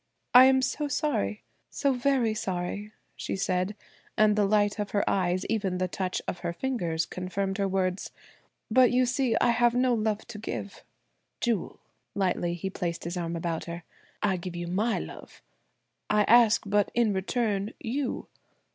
"I am so sorry–so very sorry!" she said, and the light of her eyes, even the touch of her fingers confirmed her words. "But you see I have no love to give." "Jewel," lightly he placed his arm about her, "I give you my love; I ask but, in return, you.